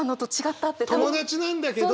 友達なんだけど。